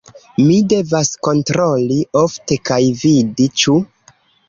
Mi devas kontroli ofte kaj vidi ĉu...